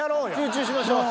集中しましょう。